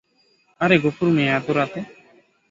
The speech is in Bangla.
আরে, গফুর মিয়া, এতো রাতে?